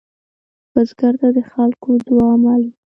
بزګر ته د خلکو دعاء مل وي